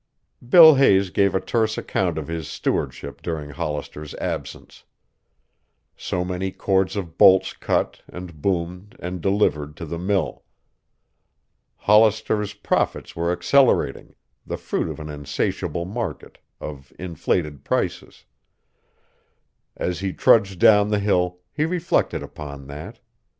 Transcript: Bill Hayes gave a terse account of his stewardship during Hollister's absence. So many cords of bolts cut and boomed and delivered to the mill. Hollister's profits were accelerating, the fruit of an insatiable market, of inflated prices. As he trudged down the hill, he reflected upon that.